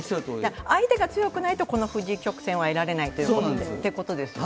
相手が強くないと、この藤井曲線は得られないということですよね。